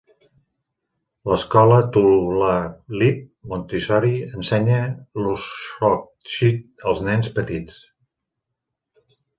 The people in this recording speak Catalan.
L'escola Tulalip Montessori ensenya Lushootseed als nens petits.